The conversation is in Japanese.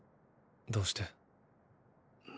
どうして？。